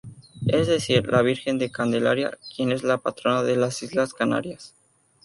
Es decir, la Virgen de Candelaria, quien es la patrona de las Islas Canarias.